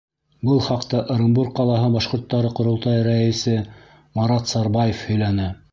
Был хаҡта Ырымбур ҡалаһы башҡорттары ҡоролтайы рәйесе Марат Сарбаев һөйләне.